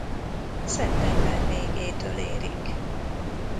Szeptember végétől érik.